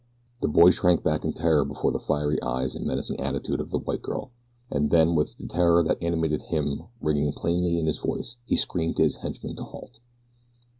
The boy shrank back in terror before the fiery eyes and menacing attitude of the white girl, and then with the terror that animated him ringing plainly in his voice he screamed to his henchmen to halt.